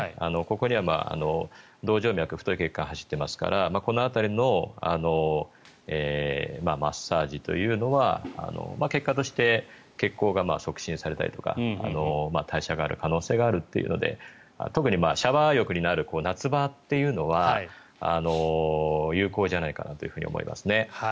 ここには動静脈太い血管が走っていますからこの辺りのマッサージというのは結果として血行が促進されたりとか代謝が上がる可能性があるということで特にシャワー浴になる夏場というのは有効じゃないかなと思いますね。